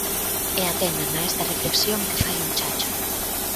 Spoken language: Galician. E atendan a esta reflexión que fai o Chacho.